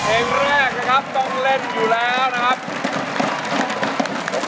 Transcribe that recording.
เพลงแรกนะครับต้องเล่นอยู่แล้วนะครับ